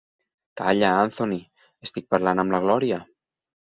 Calla, Anthony, estic parlant amb la Gloria.